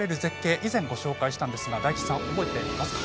以前、ご紹介したんですが大吉さん、覚えてますか？